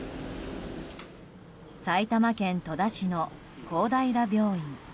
埼玉県戸田市の公平病院。